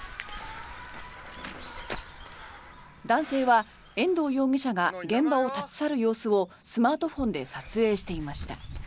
男性は遠藤容疑者が現場を立ち去る様子をスマートフォンで撮影していました。